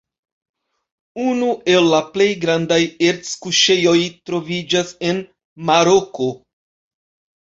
Unu el la plej grandaj erc-kuŝejoj troviĝas en Maroko.